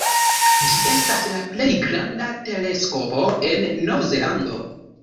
Ĝi estas la plej granda teleskopo en Nov-Zelando.